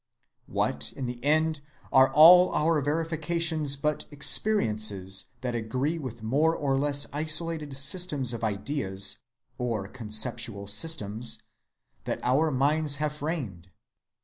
What, in the end, are all our verifications but experiences that agree with more or less isolated systems of ideas (conceptual systems) that our minds have framed?